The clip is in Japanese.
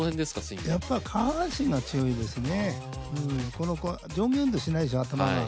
この子は上下運動しないでしょ頭が。